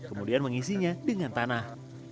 kemudian mengisinya dengan tanah